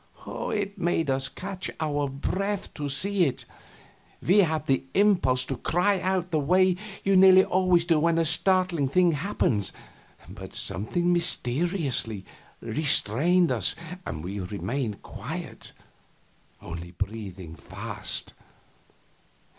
It made us catch our breath to see it. We had the impulse to cry out, the way you nearly always do when a startling thing happens, but something mysteriously restrained us and we remained quiet, only breathing fast.